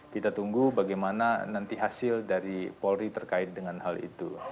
kita tunggu bagaimana nanti hasil dari polri terkait dengan hal itu